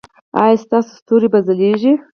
ایا ستاسو ستوري به ځلیږي؟